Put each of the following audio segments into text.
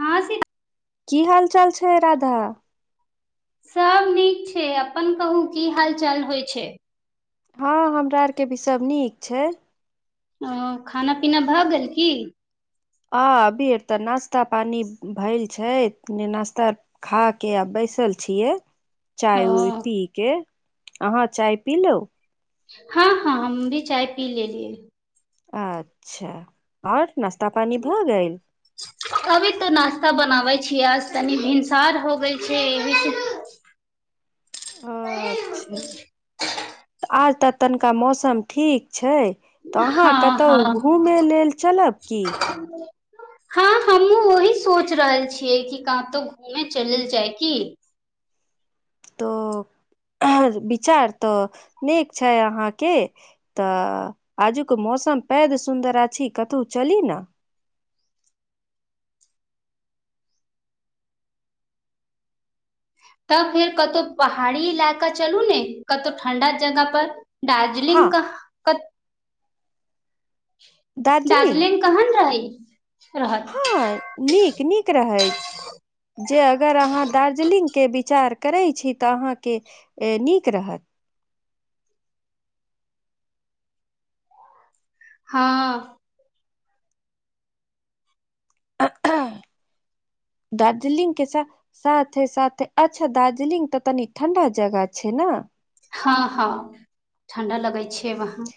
हँ से की हाल चाल छै राधा। सब नीक छै अपन कहू की हाल चाल होइ छै। हँ हमरा आरके भी सभ नीक छै। ओ खाना पीना भऽ गेल की। आ अभी आर तऽ नाास्ता पानी भेल छै ने नाास्ता खा के आ बैसल छियै। ओ चाय उ पी के। अहाँ चाय पीलों। हँ हँ हम भी चाय पी लेलियए। अच्छा आओर नाश्ता पानी भऽ गेल अभी त नश्ता बनाबय तनि भिनसार हो गेल छै एहि से अच्छा तऽ आज त तनिका मौसम ठीक छै। तऽ अहाँ हँ कतहु हँ घूमे लेल चलब की। हँ हमूँ ओही सोच रहल छियै कि कतौ घूमे चलल जाय की। तो विचार तऽ नीक छै अहाँके तऽ आजुक मौसम पैद सुन्दर अछि कतहु चली ने। तब फेर कतहु पहाड़ी इलाका चलू ने, कतहु ठण्डा जगह पर हँ दार्जलिंग क क दार्जिलिंग कहन रहै हँ नीक नीक रहैत जे अगर अहाँ दार्जलिंगके विचार करै छी तऽ अहाँके नीक रहत हँ दार्जिलिंग के सा साथे साथे अच्छा दार्जलिंग तऽ तनि ठंडा जगह छै ने। हँ हँ ठण्डा लगै छै वहाँ।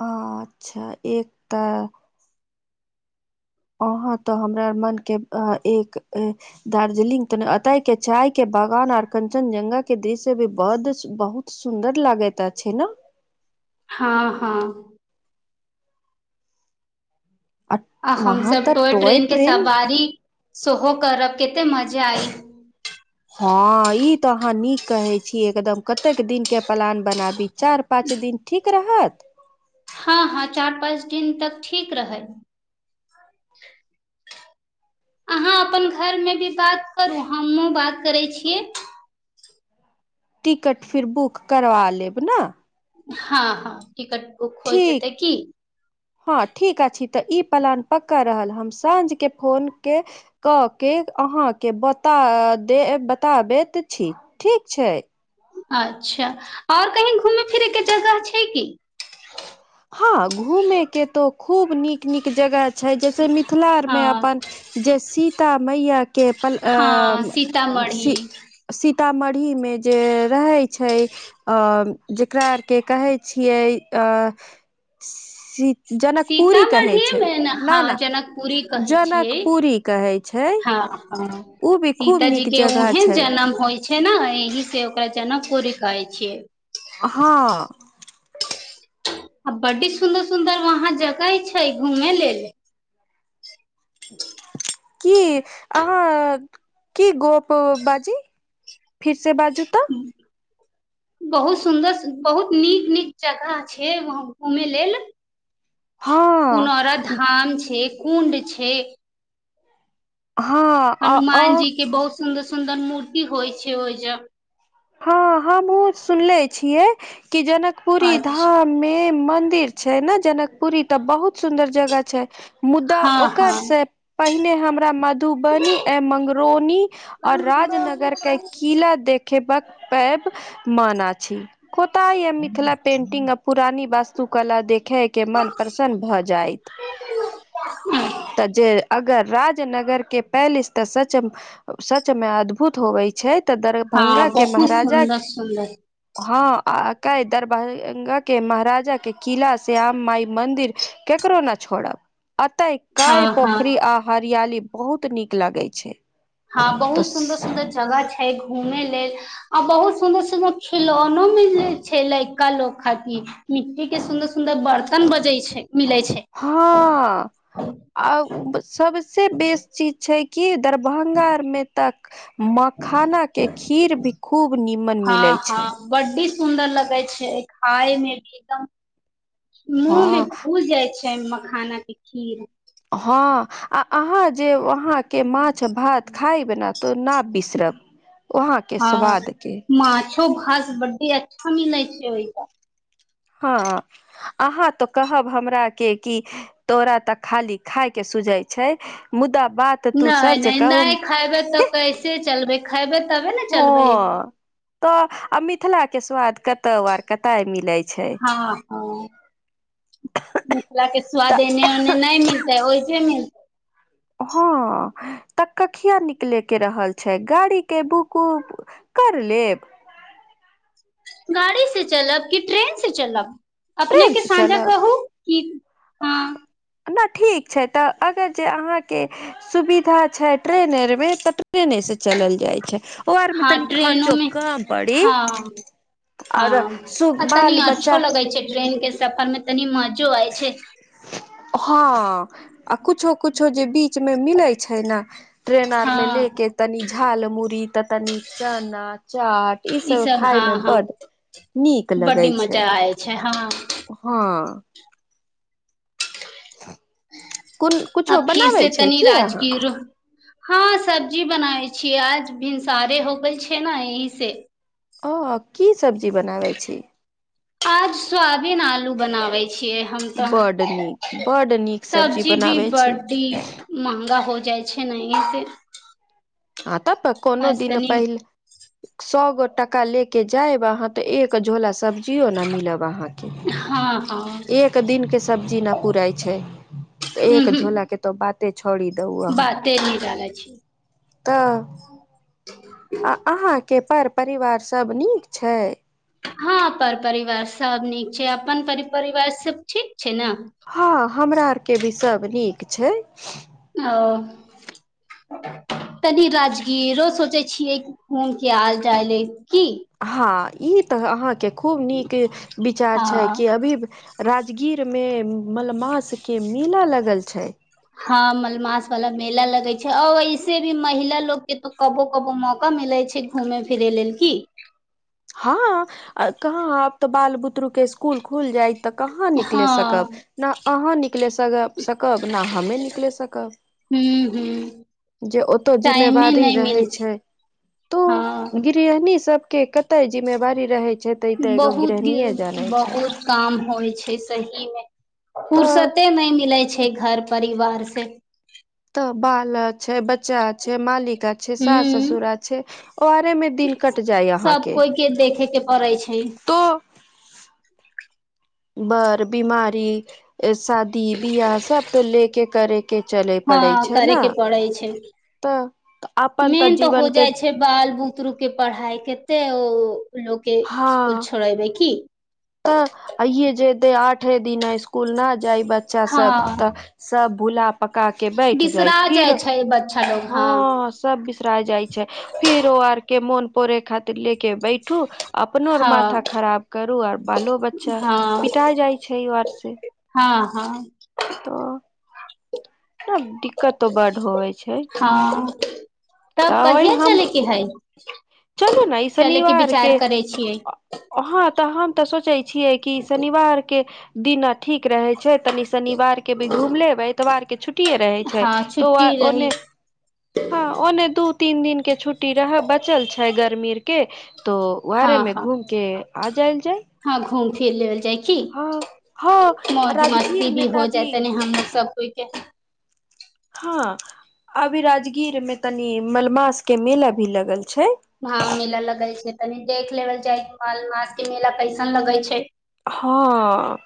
ह अच्छा एक तऽ। अहाँ तऽ हमरा मनके एक दार्जिलिंग त एतहिके चायके बागान आर कञ्चनजङ्गाके दृश्य भी बड् बहुत सुन्दर लागैत अछि ने। हँ हँ। आ हमस वहां तऽ टोय टॉय ट्रेन के सवारी सेहो करब कतेक मजा आइ त अहाँ नीक कहे छी एकदम कतेक दिन के प्लान बनाबी चार पाँच दिन ठीक तक रहत हँ हँ चार पाँच दिन तक ठीक रहै। अहाँ अपन घरमे भी बात करू हमहहुँ बात करै छियै। टिकट फिर बुक करवा लेब न। हाँ हाँ। टिकट बुक हो ठीक जेतै की। हँ ठीक अछि तऽ ई प्लान पक्का रहल हम साँझ के फोन के क के अहाँ के बता दे बताबैत छी ठीक छै। अच्छा आओर कही घुमय फिरैके जगह छै की। हँ घूमे के तो खूब नीक नीक जगह छै जैसे मिथिला आर हँ मे अपन जे सीता मैया के पल हँ सी सीतामढ़ी सी सीतामढ़ीमे जे रहै छै जकरा आरके कहै छियै सी जनकपुरी कहै सीतामढ़ीे छै मे ने न हँ न जनकपुरी कहै छियै जनकपुरी कहै छै हँ ह ओ भी खूब सीता जी नीक के जगह उहेन छै जनम होइ छै ने एहि से ओकरा जनकपुरी कहै छै छ हाँ आ बड्डी सुंन्दर सुन्दर वहाँ जगह ह छै घूमे लेल की अहाँ की गप बाजी फिर से बाजू तऽ बहुत सुन्दर बहुत नीक नीक जगह छै वहाँ घूमेय लेल। हँ पुनरा धाम छै। उंड छै हँ हनुमान ओ जी के बहुत सुन्दर सुन्दर मूर्ति होइ छै ओहि जे। हँ हँ हम सुनले छियै कि जनकपुरी अच्छा धाममे मंदिर छै ने जनकपुरी तऽ बहुत सुन्दर जगह छै मुद्दा हँ ओकर हँ से पहिने हमरा मद धुबनी ए मंगरोनी आऔर राजनगर के किला देखेबाक पैब माना छी। होताय मिथिला पेंटिंग पुरानी बास तु कला देख खे के मन प्रसन्न भऽ जायत तऽ जे अगर राजनगर के पहिल स्तर सच सच मे अद्भुत होवे छै। त दरभंगा के। खूब महाराजा सुन्दर सुन्दर। हँ आक दरभंगा के महाराजा के किला श्याम माय मंन्दिर केकरो न छोड़ब। आत एक हँ कय हँ पोखरी आहार हरियाली बहुत नीक लागे छै। हँ तऽ बहुत सुन्दर सुन्दर जगह छै। छै घूमे लेल आ बहुत सुंदर सुंदर खिलौनो मिल छै लड़का लोग खातिर मिट्टी के सुदर सुंदर बर्तन बजे छै। मिलै छै हँ आ सबसे बेस चीज छै। की। दरभंगा मे तक मखाना के खीर भी खूब नीमन हँ मिले हँ छै। बड्डी सुन्दर लगै छै खाय मे भी एकदम। हँ मुँहमे घुल जाइ छै। च मखाना के खीर। हँ आ अहाँ जे वहाँके माछ भात खाय बना। तो न बिसरब वहाँ के स्वाद के। कबड्डी अच्छा मिलै छै ओहि त। हँ अहाँ तो कहब हमरा के कि तोरा तऽ खाली खाायके सुझै छै मुदा। बात तू नहि सच नहि कहू नहि खायबे तऽ कैसे चलबे। खायब। तबे ने चलबै। हँ तऽ आ मिथिला के स्वाद कतौ आर कत मिले छै। हँ। ह मिथिला के स्वाद तऽ एने ओने नहि मिलतै ओहिसे मिलतै। हँ तऽ कखिया निकलेके रहल छै गाड़ी के बुक उक कर लेब। गाड़ी से चलब कि ट्रेन से चलब। अपने ट्रेन के से सााँझा चलब कहू क हँ। न ठीक छै तऽ अगर जे अहाँके सुविधा छै ट्रेन आरमे तऽ। केने से चलल जाइ छै ओ आरमे तनि हँ ट्रेनो खर्चो मे कम पड़ी हँ आओरो हँ सु बाल बच्चा। सफरमें तनी मजो आय छै। हँ आ किुछ किुछो जे। बीच में मिले छै ने ट्रेन आर में ले हँ के तनी झाल मूड़ी। त त नीचा नथ। चाट ई सब खाय में बड्ड नीक लगे छै। हां। हां। [unintelligible] कोन आ कुछो फिर बनाबै से छै तनी की अहाँ? राजगीर हँ सब्जी बनाबै छियै आज भिनसारे हो गेल छै ने यही से। ओ की सब्जी बनाबै छी। आज स्वाबीन आलू बनाबै। छियै हम बड नीक त, बड नीक सब्जी भी बनाबै छी बडी महंगा हो जाइ छी नि नीके। आब। तब त कोनो दिन पानि, सब टका ले के जायब अहाँ त एक झोला सब्जी जियो न मिलब अहाँके, हँ हँ एक दिन के सब्जी न पुरै छै त एक उहूं झोला के त बात बाते ने जानै छी। त। आ अहाँ के पर परिवार सब नीक छै? हँ पर परिवार सब नीक छै, अपन पर परिवार सब ठीक छै ने हां हमरा आर के भी सब नीक छै। हां, तनी राजगीरो सोचय छियै घुम के आल जा ले। हां। ई त अहाँके खुब नीक विचार छै हँ कि अभी राजगीर कि मेम मलमास के मेला लग गल छै। हां मलमास वाला मेला लगै छै और ऐसे भी महिला लोग के तो कबो कबो मौका मिलै छै घूमे फिरे लेल की? हां, कहाँ आब त बाल बुतरू के स्कुल खुल जाइ त कहाँ निकले हँ सकब ने अहाँ निकले सकब ने हमे निकले सकब हूं हूं जे ओतौ टाइमे जिम्मेवारी नहि मिल रहै छै, त हँ गृहणी सब के कत बहुत गेल, गृहणीये जानै छै बहुत काम होइ छै सही मे। तऽ फुर्सते नै मिलै छै घर परिवार से। बालक छै बच्चा छै मालिक। छै सास- हूँ ससुर एल छै। ओरे मे दिन कट जाय अहा सब के। कोइ देखे के पड़ै छै। बर बीमारी। शादी बियाह सब। तो लेके करे। के चले पड़े हँ छै करे ने के पड़ै छै, तऽ अपन मेन तऽ हो जीवन के जाइ छै, बाल बुतरु के पढ़ाई कते ओ लोकके हँ स्कुल छोड़ेब की? तऽ, आइए जेते आठे दिन स्कूल स्कूल न जाय बच्चा हँ सब तऽ, सब गुलाब। पका के बैठ जाइ, बिसरा फिर छै बच्चा लोग हँ हां सब बिसरा जाए छै, फिर ओ आर के मौन पोरे खातिर लेके बैठू अपनो आर माथा हँ खराब करू, आर बालो बच्चा हँ पिटा जाइ छै, उ आर से हँ हँ तऽ तब, दिक्कतो बड होए छै। हँ तब तऽ ओहि कहिया हम चलेके हय? चलू ने ई शनिवार के। करै छियै अ हां तऽ हम तऽ सोचै छियै, कि शनिवार के दिना ठीक रहै। छै, तनि शनिवार के भी घूम लेब, एतवार की छु ट्टीए रहै छै, हँ त आ छुट्टी रही ओने हां ओने दू तीन दिन के छुट टी रहा बचल छै गर्मी के तो बाहरे हँ में हँ घूम के आ जायल जाए हँ घूम फिर लैबल जाए। की हँ मौज राजगीर मस्ती मे भी तऽ हो जाए, अभी तनी हमरा सब कोइ के। हां अभी राजगीर मे तनी, मलमास के मेला भी लगल छै। हां मेला लगल छै, तनि देख लेबल जाइ की, माल मास के मेला कैसन लगै छै? हां।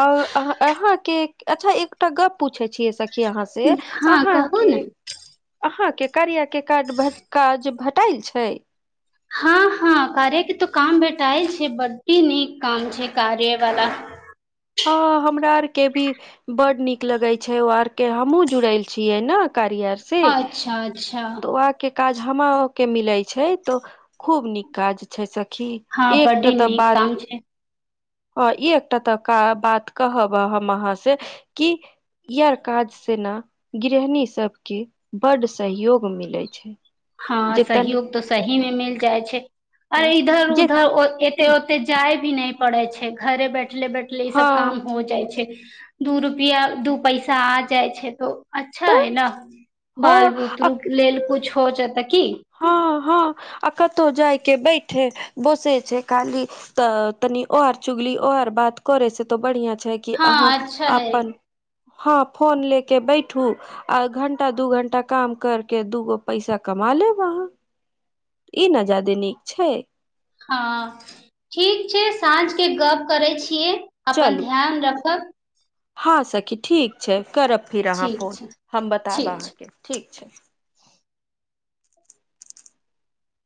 और अहाँ अहां के अच्छा एकटा गप पूछे छियै सक की अहां से हँ अहाँ कहू के ने अहाँ के कार्या के कार्ड भेज काज भेटल छै। हां, हां, कार्य के तऽ काम बेेटाए छै, बडी नीक काम छै कार्य वाला। हँ हमरा आर के भी बड नीक लगे छै ओ आर के हमहुँ जुड़ल छियै नै। कार्या से अच्छा अच्छा तो आके काज हमो के मिले छै तो खूब नीक काज छै सक हां बडी निक काम छै। हां एकटा त क बात कहब हम अहाँ से कि यर काज से ने गृहिणी सबके बड्ड सहयोग मिलै छै। हां जे तन सहयोग तऽ सही मे मिल जाइ छै और तऽ इधर जे उधर औ एते ओते जाय भी नै पड़ै छै घरे बैठ बैठले बैठले ई हँ सब काम हो जाइ छै। दू रुपआ दू पैसा आ जाइ छै तो अच्छा तऽ है ने। बाल ह बुतरु लेल कुछ हो जे की हँ हँ आ कतौ जाय के बैठे बोसे छै खाली तऽ तनी ओर चुगली ओ आर बात करे से तो बढ़िया छै कि हँ अहाँ अच्छा है अपन हँ फोन लेके बैठू आ घंटा दू घंटा काम करके दूगो पैसा कमा लेब। वाह ई न जादे नीक छय। हँ ठीक छै साँझ के गप करे छियै। अपन चलू ध्यान रखब। हँ सखी ठीक छै। करब फिर अहाँ ठीक फोन छै ठीक हम बतायब छै अहाँके ठीक। अच्छा।